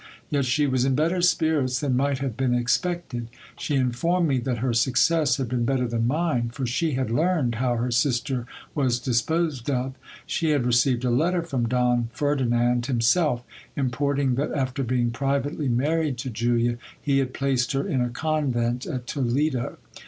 Yet she was in better spirits than might have been expected. She informed me that her success had been better than mine ; for she had learned how her sister was disposed of. She had received a letter from Don Ferdinand himself, importing that after being privately married to Julia, he had placed her in a convent at Toledo.